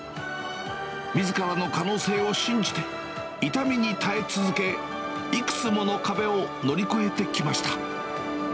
みずからの可能性を信じて、痛みに耐え続け、いくつもの壁を乗り越えてきました。